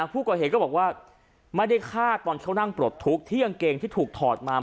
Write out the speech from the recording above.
ผู้ก่อเหตุก็บอกว่าไม่ได้ฆ่าตอนเขานั่งปลดทุกข์ที่กางเกงที่ถูกถอดมา